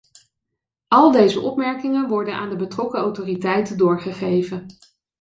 Al deze opmerkingen worden aan de betrokken autoriteiten doorgegeven.